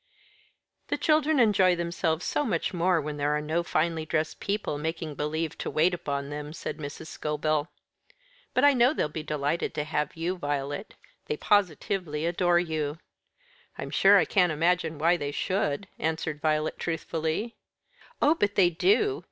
"The children enjoy themselves so much more when there are no finely dressed people making believe to wait upon them," said Mrs. Scobel; "but I know they'll be delighted to have you, Violet. They positively adore you!" "I'm sure I can't imagine why they should," answered Violet truthfully. "Oh, but they do.